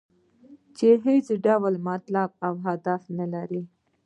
چې هېڅ ډول مطلب او هدف نه لري.